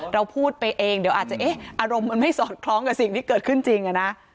เราพูดไปเองเดี๋ยวอาจจะเอ๊ะอารมณ์มันไม่สอดคล้องกับสิ่งที่เกิดขึ้นจริงอะนะ